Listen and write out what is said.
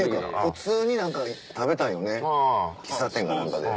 普通に何か食べたいよね喫茶店か何かで。